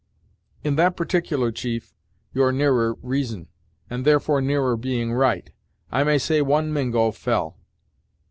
"In that particular, chief, you're nearer reason, and therefore nearer being right. I may say one Mingo fell."